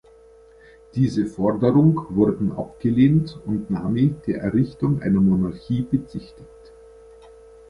Diese Forderung wurden abgelehnt und Nami der Errichtung einer Monarchie bezichtigt.